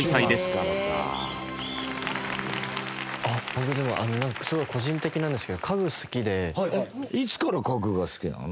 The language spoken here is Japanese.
僕でもすごい個人的なんですけどいつから家具が好きなの？